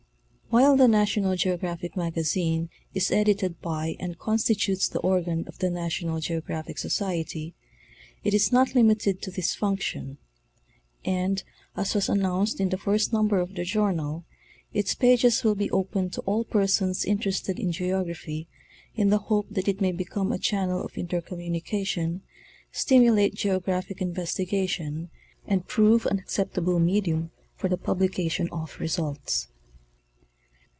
While the National Geographic Magazine is edited by and constitutes the organ of the Natronan GEOGRAPHIC SOCIETY, it is not limited to this function ; and, as was announced in the first number of the journal, "its pages will be open to all persons interested in geography in the hope that it may become a channel of intercommunication, stimulate geographic investigation, and prove an acceptable medium for the publication of results."